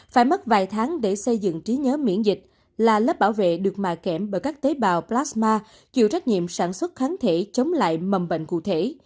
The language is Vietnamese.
phải mất vài tháng để xây dựng trí nhớ miễn dịch là lớp bảo vệ được mà kém bởi các tế bào plasma chịu trách nhiệm sản xuất kháng thể chống lại mầm bệnh cụ thể